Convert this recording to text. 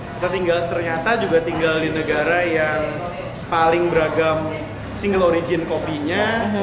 kita tinggal ternyata juga tinggal di negara yang paling beragam single origin kopinya